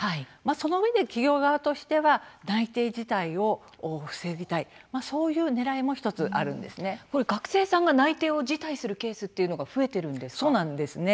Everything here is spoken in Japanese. そのうえで企業側としては内定辞退を防ぎたい学生さんが内定を辞退する増えているんです。